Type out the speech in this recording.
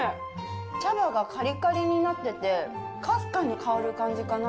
茶葉がカリカリになってて、かすかに香る感じかな？